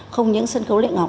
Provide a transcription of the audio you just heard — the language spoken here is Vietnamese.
không những sân khấu lệ ngọc